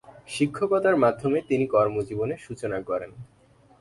শিক্ষকতার মাধ্যমে তিনি কর্মজীবনের সূচনা করেন।